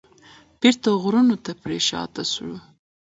بیرته غرونو ته پرشاته شو.